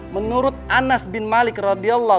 menurut anas bin malik radiallah